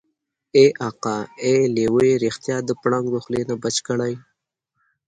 ای اکا ای لېوه يې رښتيا د پړانګ د خولې نه بچ کړی.